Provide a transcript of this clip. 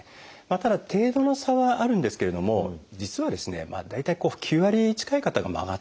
ただ程度の差はあるんですけれども実はですね大体９割近い方が曲がってるといわれてます。